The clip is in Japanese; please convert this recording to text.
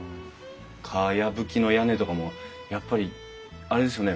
かやぶきの屋根とかもやっぱりあれですよね。